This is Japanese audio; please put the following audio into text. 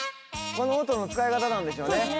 この音の使い方なんでしょうね。